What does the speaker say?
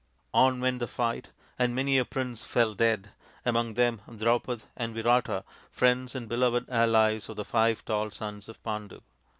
On went the fight and many a prince fell dead, among them Draupad and Virata, friends and beloved allies of the five tall sons of Pandu.